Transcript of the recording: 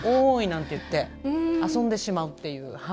なんて言って遊んでしまうっていう。